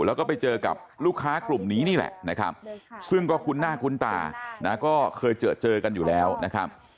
แล้วก็ไปเจอกับลูกค้ากลุ่มนี้นี่แหละนะครับซึ่งก็คุ้นหน้าคุ้นตานะก็เคยเจอเจอกันอยู่แล้วนะครับ